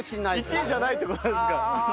１位じゃないって事なんですか。